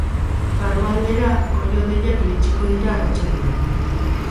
Barrualdera goi-hodeiak iritsiko dira arratsaldean.